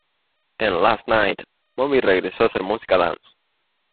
En "Last Night", Moby regresó a hacer música dance.